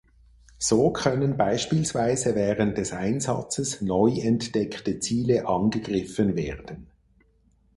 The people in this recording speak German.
So können beispielsweise während des Einsatzes neu entdeckte Ziele angegriffen werden.